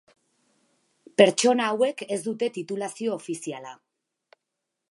Pertsonak hauek ez dute titulazio ofiziala.